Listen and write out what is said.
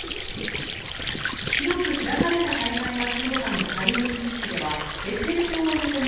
広く開かれた大会がスローガンのパリオリンピックではエッフェル塔を望む